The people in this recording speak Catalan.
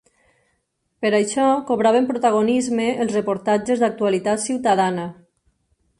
Per això, cobraven protagonisme els reportatges d’actualitat ciutadana.